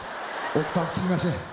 「奥さんすいません。